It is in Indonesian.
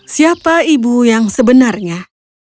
siapa ibu yang sebenarnya